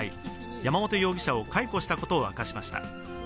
山本容疑者を解雇したことを明かしました。